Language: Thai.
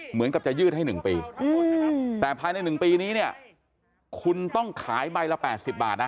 เหมือนกับจะยืดให้หนึ่งปีแต่ภายในหนึ่งปีนี้เนี่ยคุณต้องขายใบละแปดสิบบาทนะ